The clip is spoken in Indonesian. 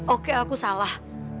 oke aku salah